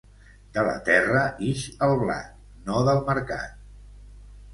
De la terra ix el blat, no del mercat.